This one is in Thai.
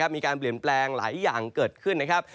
มีการเปลี่ยนแปลงหลายอย่างเกิดขึ้นนะครับ